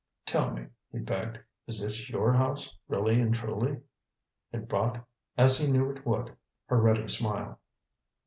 "Tell me," he begged, "is this your house, really'n truly?" It brought, as he knew it would, her ready smile.